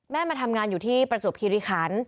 มาทำงานอยู่ที่ประจวบคิริคัน